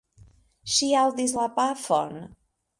Ŝi aŭdis la pafon.